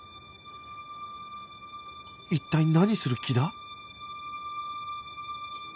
一体何する気だ？